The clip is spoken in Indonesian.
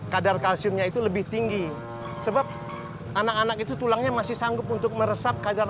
kadar kalsiumnya itu lebih tinggi sebab anak anak itu tulangnya masih sanggup untuk meresap kadar